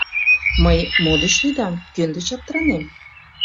Мый мо деч лӱдам, кӧн деч аптыранем?..